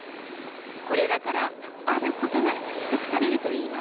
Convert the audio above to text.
これらからあることが推測されるといいます。